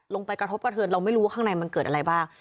ลงไปกระทบก็เถิดเราไม่รู้ว่าข้างในมันเกิดอะไรบ้าง